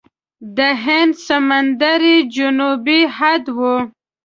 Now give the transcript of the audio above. د هند سمندر یې جنوبي حد و.